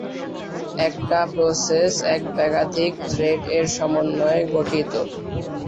একটা প্রসেস এক বা একাধিক "থ্রেড" এর সমন্বয়ে গঠিত।